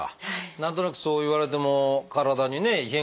何となくそう言われても体にね異変がなきゃ。